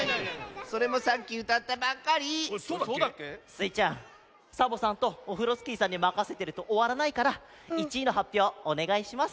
スイちゃんサボさんとオフロスキーさんにまかせてるとおわらないから１いのはっぴょうおねがいします。